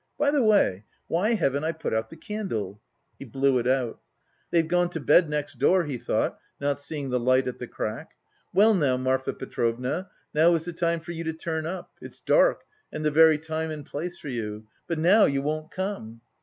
By the way, why haven't I put out the candle?" he blew it out. "They've gone to bed next door," he thought, not seeing the light at the crack. "Well, now, Marfa Petrovna, now is the time for you to turn up; it's dark, and the very time and place for you. But now you won't come!"